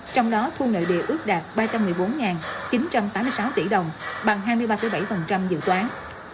trong đó thu nội địa ước đạt ba trăm một mươi bốn chín trăm tám mươi sáu tỷ đồng bằng hai mươi ba bảy dự toán